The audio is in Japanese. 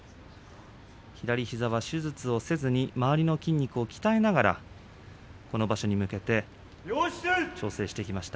左膝は手術をせずに周りの筋肉を鍛えながらこの場所に向けて調整してきました。